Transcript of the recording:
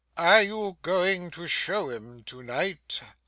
'Are you going to show 'em to night?